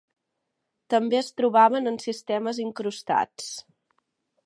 També es trobaven en sistemes incrustats.